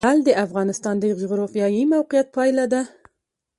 لعل د افغانستان د جغرافیایي موقیعت پایله ده.